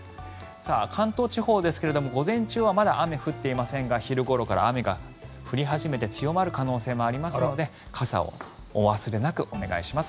関東地方ですが、午前中はまだ雨は降っていませんが昼ごろから雨が降り始めて強まる可能性もありますので傘をお忘れなくお願いします。